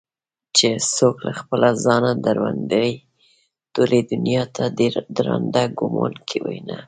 چې څوك له خپله ځانه دروندوي ټولې دنياته ددراندۀ ګومان كوينه